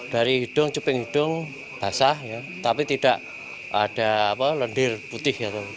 dari hidung cuping hidung basah tapi tidak ada lendir putih